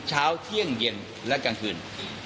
เช้าเที่ยงเย็นและกลางคืน